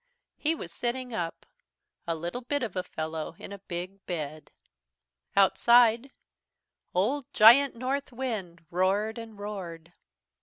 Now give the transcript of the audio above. He was sitting up, a little bit of a fellow in a big bed. Outside, old Giant Northwind roared and roared.